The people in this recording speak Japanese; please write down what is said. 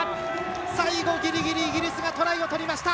最後、ぎりぎりイギリスがトライを取りました。